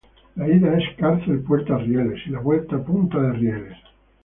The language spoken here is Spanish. La ida es Cárcel Pta Rieles y la vuelta Punta de Rieles.